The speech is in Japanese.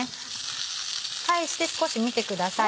返して少し見てください。